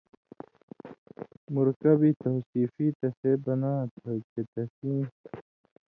مرکب توصیفی تسے بناں تھہ چے تسیں